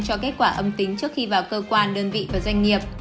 cho kết quả âm tính trước khi vào cơ quan đơn vị và doanh nghiệp